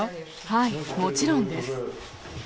はい、もちろんです。